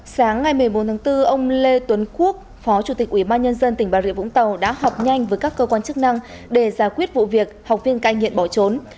sáng ngày một mươi bốn tháng bốn ông lê tuấn quốc phó chủ tịch ubnd tỉnh bà rịa vũng tàu đã học nhanh với các cơ quan chức năng để giải quyết vụ việc học viên cai nghiện bỏ trốn